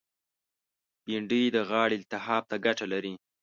بېنډۍ د غاړې التهاب ته ګټه لري